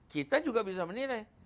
kita juga bisa menilai